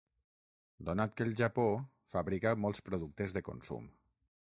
Donat que el Japó fabrica molts productes de consum.